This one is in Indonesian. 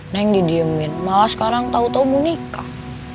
neng didiemin malah sekarang tau tau mau nikah